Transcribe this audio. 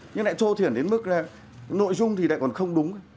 nhưng lại thô thiển đến mức là nội dung thì lại còn không đúng